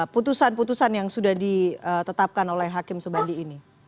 putusan putusan yang sudah ditetapkan oleh hakim subandi ini